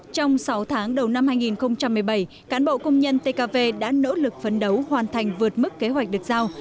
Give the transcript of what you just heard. trong sáu tháng đầu năm hai nghìn một mươi bảy cán bộ công nhân tkv đã nỗ lực phấn đấu hoàn thành vượt mức kế hoạch được giao